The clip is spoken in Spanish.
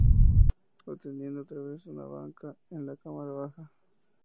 Obteniendo otra vez una banca en la cámara baja.